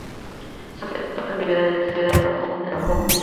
Su aspecto ha cambiado mucho debido al estresante trabajo como madre.